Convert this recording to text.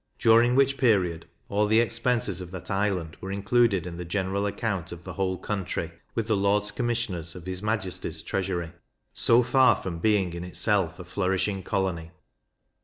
during which period all the expenses of that island were included in the general account of the whole country with the Lords Commissioners of his Majesty's Treasury. So far from being in itself a flourishing colony.